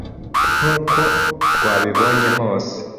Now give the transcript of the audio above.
nk’uko rwabibonye hose